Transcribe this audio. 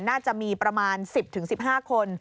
น่าจะมีประมาณ๑๐๑๕คน